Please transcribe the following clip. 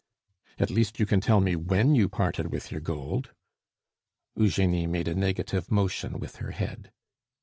"At least you can tell me when you parted with your gold?" Eugenie made a negative motion with her head.